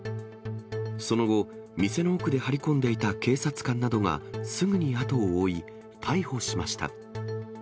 その後、店の奥で張り込んでいた警察官などがすぐに後を追い、逮捕しました。